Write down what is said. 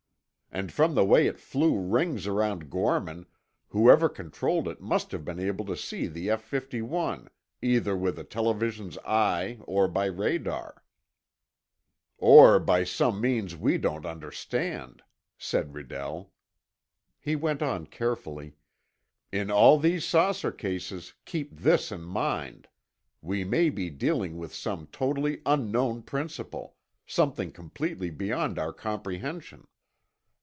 And from the way it flew rings around Gorman, whoever controlled it must have been able to see the F 51, either with a television 'eye' or by radar," "Or by some means we don't understand," said Redell. He went on carefully, "In all these saucer cases, keep this in mind: We may be dealing with some totally unknown principle—something completely beyond our comprehension."